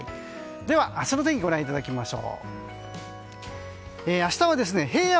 では、明日の天気ご覧いただきましょう。